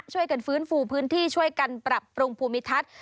ช่วยกันฟื้นฟูพื้นที่ช่วยกันปรับปรุงภูมิทัศน์